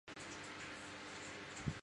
城南为新建的工业区。